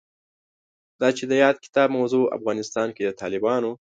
دا چې د یاد کتاب موضوع افغانستان کې د طالبانو